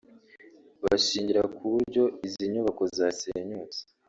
bashingira ku buryo izi nyubako zasenyutse